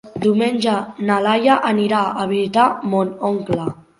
Diumenge na Laia anirà a visitar mon oncle.